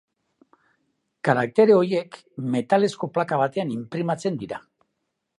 Karaktere horiek metalezko plaka batean inprimatzen dira.